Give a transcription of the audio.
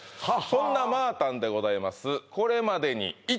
そんなまあたんでございます